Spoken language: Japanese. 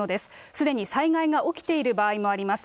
すでに災害が起きている場合もあります。